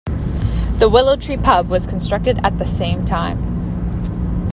The "Willow Tree" pub was constructed at the same time.